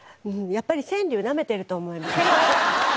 やっぱり川柳なめてると思いますね。